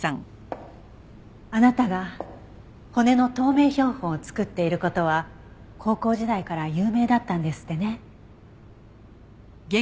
あなたが骨の透明標本を作っている事は高校時代から有名だったんですってね。